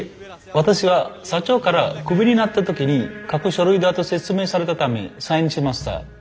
私は社長からクビになった時に書く書類だと説明されたためサインしました。